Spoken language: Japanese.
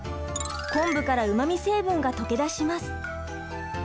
昆布からうまみ成分が溶け出します。